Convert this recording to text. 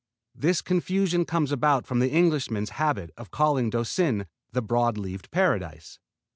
This confusion comes about from the Englishman's habit of calling Doucin the Broad Leaved Paradise.